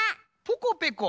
ポコペコ。